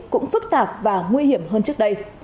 cũng phức tạp và nguy hiểm hơn trước đây